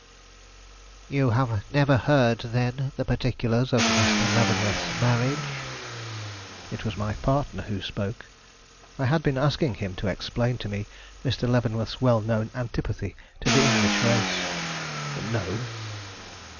"You have never heard, then, the particulars of Mr. Leavenworth's marriage?" It was my partner who spoke. I had been asking him to explain to me Mr. Leavenworth's well known antipathy to the English race. "No."